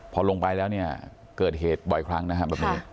พอลงไปแล้วเกิดเหตุบ่อยครั้งนะครับ